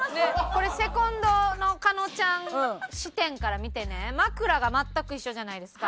これセコンドの加納ちゃん視点から見てね枕が全く一緒じゃないですか。